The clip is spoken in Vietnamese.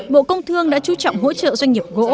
bộ công thương đã chú trọng hỗ trợ doanh nghiệp gỗ